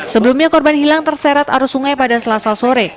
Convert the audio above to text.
sebelumnya korban hilang terseret arus sungai pada selasa sore